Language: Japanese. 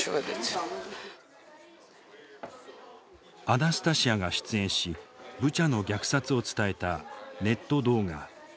アナスタシヤが出演しブチャの虐殺を伝えたネット動画。